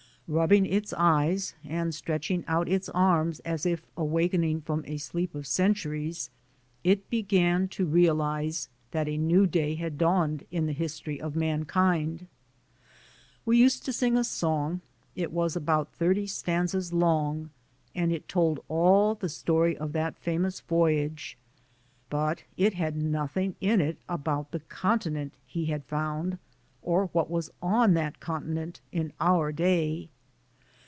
Rub bing its eyes and stretching out its arms as if awakening from a sleep of centuries, it began to realize that a new day had dawned in the history of mankind. We used to sing a song ; it was about thirty stanzas long, and it told all the story of that famous voyage, but it had nothing in it about the continent he had found, or what was on that conti nent in our day.